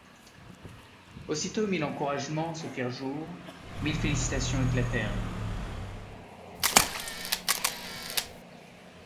Aussitôt mille encouragements se firent jour, mille félicitations éclatèrent.